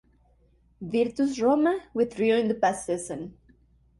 Virtus Roma withdrew in the past season.